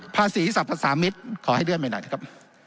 ภาษีสรรพสามิตรขอให้เลื่อนไปหน่อยนะครับ